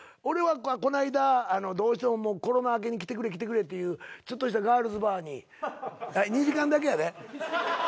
俺はこないだどうしてもコロナ明けに来てくれ来てくれっていうちょっとしたガールズバーに２時間だけやで？